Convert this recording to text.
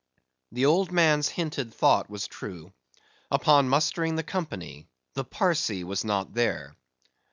The old man's hinted thought was true. Upon mustering the company, the Parsee was not there.